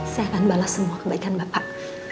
saya akan balas semua kebaikan bapak